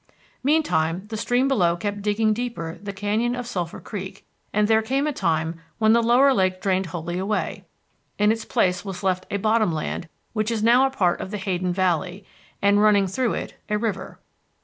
Meantime the stream below kept digging deeper the canyon of Sulphur Creek, and there came a time when the lower lake drained wholly away. In its place was left a bottom land which is now a part of the Hayden Valley, and, running through it, a river.